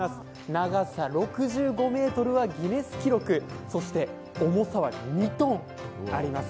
長さ６５ｍはギネス記録、そして重さは２ｔあります。